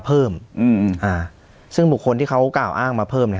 เพิ่มอืมอ่าซึ่งบุคคลที่เขากล่าวอ้างมาเพิ่มเนี้ย